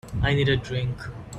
I need a drink.